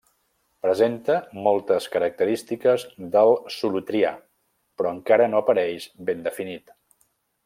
Presenta moltes característiques del Solutrià però encara no apareix ben definit.